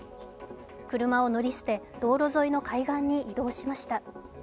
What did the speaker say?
車を乗り捨て道路沿いの海岸に移動しました。